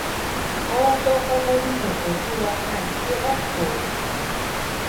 Oo dojo boriño oo dua jadie jokori